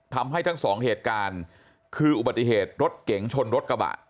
ทำให้ทั้งสองเหตุการณ์คืออุบัติเหตุรถเก๋งชนรถกระบะ